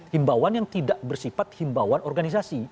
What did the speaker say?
himbauan yang tidak bersifat himbauan organisasi